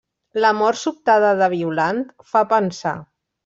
La mort sobtada de Violant fa pensar.